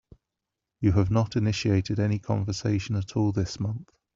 You have not initiated any conversation at all this month.